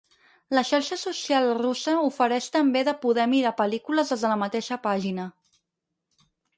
La xarxa social russa ofereix també de poder mirar pel·lícules des de la mateixa pàgina.